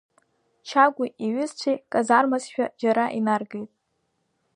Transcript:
Чагәи иҩызцәеи казармазшәа џьара инаргеит.